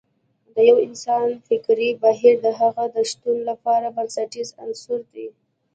د يو انسان فکري بهير د هغه د شتون لپاره بنسټیز عنصر دی.